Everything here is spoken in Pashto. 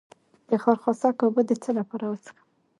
د خارخاسک اوبه د څه لپاره وڅښم؟